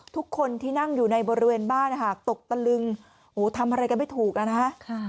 ทุกคนที่นั่งอยู่ในบริเวณบ้านตกตะลึงโหทำอะไรกันไม่ถูกอ่ะนะฮะ